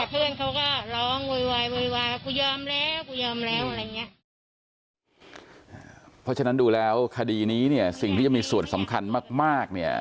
เพราะฉะนั้นดูแล้วคดีนี้สิ่งที่จะมีส่วนสำคัญมาก